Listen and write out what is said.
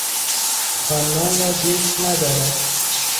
خواندن را دوست ندارد.